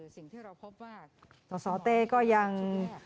สตเต้ก็ยัง